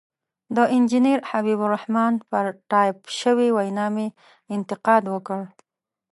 د انجنیر حبیب الرحمن پر ټایپ شوې وینا مې انتقاد وکړ.